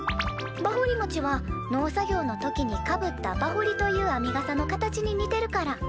『ばほりもち』は農作業の時にかぶった『ばほり』という編みがさの形に似てるから。